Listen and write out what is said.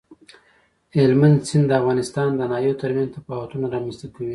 هلمند سیند د افغانستان د ناحیو ترمنځ تفاوتونه رامنځ ته کوي.